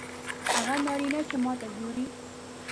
هغه نارینه چې ماته ګوري